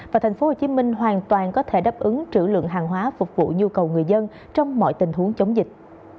và tp hcm hoàn toàn có thể đáp ứng trữ lượng hàng hóa phục vụ nhu cầu người dân trong mọi tình huống chống dịch